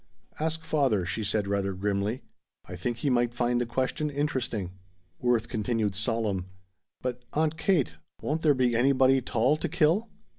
"Ask father," she said rather grimly. "I think he might find the question interesting." Worth continued solemn. "But, Aunt Kate won't there be anybody 'tall to kill?"